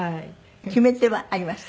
決め手はありました？